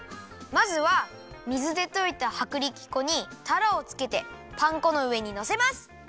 まずは水でといたはくりき粉にたらをつけてパン粉のうえにのせます！